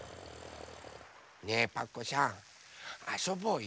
ねえパクこさんあそぼうよ。